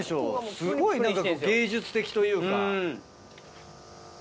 すごい芸術的というか。